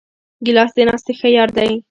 ګیلاس د ناستې ښه یار دی.